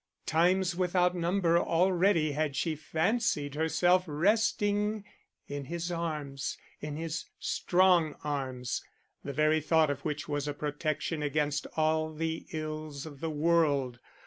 Times without number already had she fancied herself resting in his arms in his strong arms the very thought of which was a protection against all the ills of the world.